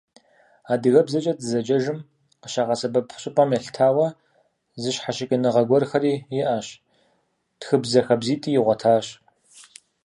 Адыгэбзэкӏэ дызэджэжым къыщагъэсэбэп щӏыпӏэ елъытауэ, зыщхьэщыкӏыныгъэ гуэрхэри иӏэщ, тхыбзэ хабзитӏи игъуэтащ.